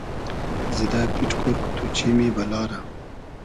زیدۂ پیݖ کۉر کو تو چیمی بئلا رۂ